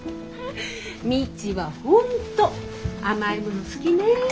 未知は本当甘いもの好きね。